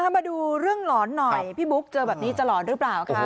มาดูเรื่องหลอนหน่อยพี่บุ๊คเจอแบบนี้จะหลอนหรือเปล่าคะ